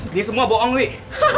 ini semua bohong nih